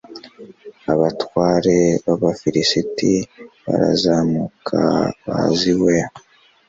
abatware b'abafilisiti barazamuka baza iwe